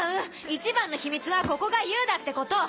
一番の秘密はここがＵだってこと。